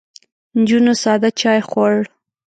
نجونو ساده چای خوړ.